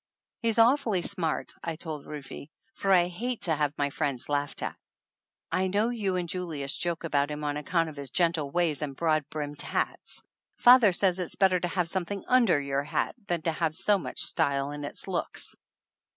"He's awfully smart," I told Rufe, for I hate to have my friends laughed at. "I know you and Julius joke about him on account of his 208 THE ANNALS OF ANN gentle ways and broad brimmed hats ! Father says it's better to have something under your hat than to have so much style in its looks